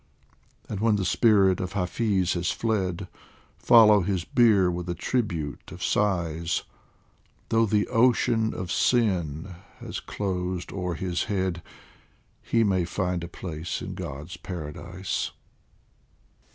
And when the spirit of Hafiz has fled, Follow his bier with a tribute of sighs ; Though the ocean of sin has closed o'er his head, He may find a place in God's Paradise.